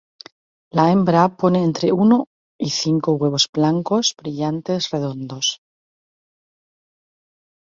La hembra pone entre uno y cinco huevos blancos brillantes redondos.